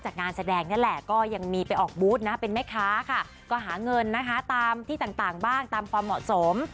หาเงินนะฮะตามที่ต่างบ้างตามความเหมาะสม